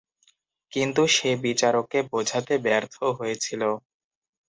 কিন্তু সে বিচারককে বোঝাতে ব্যর্থ হয়েছিল।